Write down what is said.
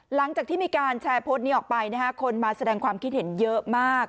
หลังจากที่มีการแชร์โพสต์นี้ออกไปคนมาแสดงความคิดเห็นเยอะมาก